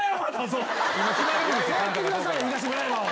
座ってください東村山は。